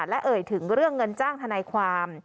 และเอ่ยถึงเรื่องเงินจ้างทนายความ